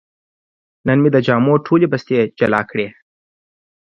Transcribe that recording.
نن مې د جامو ټولې بستې جلا کړې.